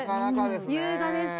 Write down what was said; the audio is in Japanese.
優雅です。